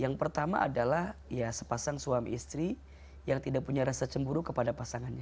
yang pertama adalah ya sepasang suami istri yang tidak punya rasa cemburu kepada pasangannya